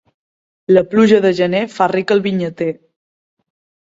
La pluja de gener fa ric al vinyater.